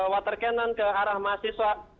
water cannon ke arah mahasiswa